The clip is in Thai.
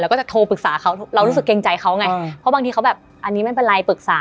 ก็จะโทรปรึกษาเขาเรารู้สึกเกรงใจเขาไงเพราะบางทีเขาแบบอันนี้ไม่เป็นไรปรึกษา